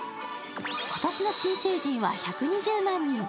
今年の新成人は１２０万人。